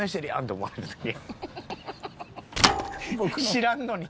知らんのに。